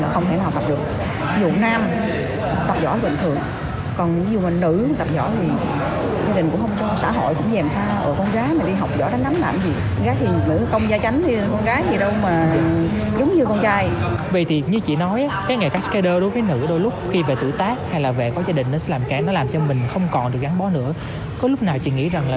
không biết là còn phải là cái chân của mình hay không